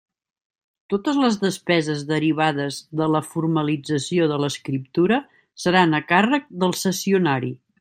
Totes les despeses derivades de la formalització de l'escriptura seran a càrrec del cessionari.